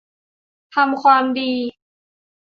ทำความดี